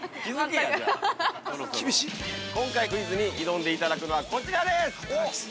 今回クイズに挑んでいただくのはこちらです！